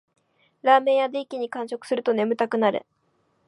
ラーメン屋で一気に完食すると眠たくなる